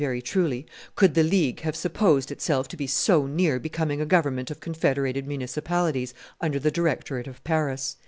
p. 134] very truly, "could the League have supposed itself to be so near becoming a government of confederated municipalities under the directorate of Paris."